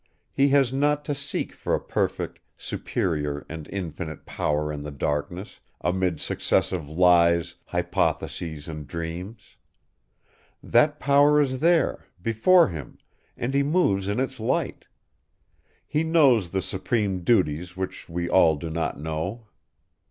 He has not to seek for a perfect, superior and infinite power in the darkness, amid successive lies, hypotheses and dreams. That power is there, before him, and he moves in its light. He knows the supreme duties which we all do not know.